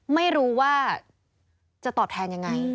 ไม่รู้ว่าจะตอบแทนยังไง